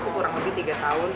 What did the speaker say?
itu kurang lebih tiga tahun